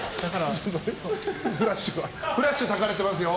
フラッシュたかれてますよ。